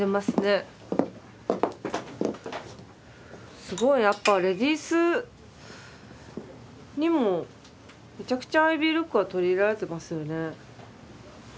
すごいやっぱレディースにもめちゃくちゃアイビールックは取り入れられてますよね。